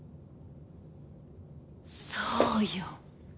そうよ。